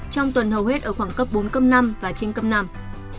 trong tuần hầu hết ở khoảng cấp bốn cấp năm và trên cấp năm